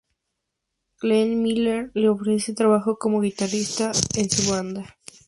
Glenn Miller le ofreció trabajo como guitarrista en su banda.